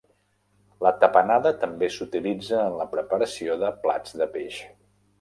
La tapenada també s'utilitza en la preparació de plats de peix.